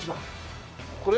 これ？